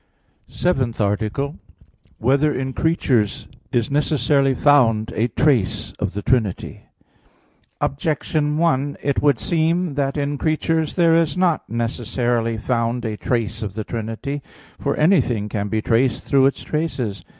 _______________________ SEVENTH ARTICLE [I, Q. 45, Art. 7] Whether in Creatures Is Necessarily Found a Trace of the Trinity? Objection 1: It would seem that in creatures there is not necessarily found a trace of the Trinity. For anything can be traced through its traces.